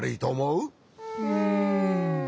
うん。